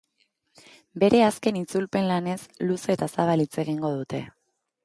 Bere azken itzulpen lanez luze eta zabal hitz egingo dute.